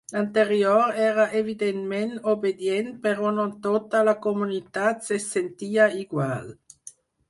L'anterior era evidentment obedient però no tota la comunitat se sentia igual.